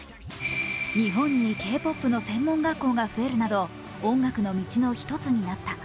日本にＫ−ＰＯＰの専門学校が増えるなど音楽の道の１つになった。